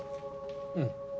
うん。